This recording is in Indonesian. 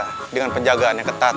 untuk menghentikan perintah yang tersebut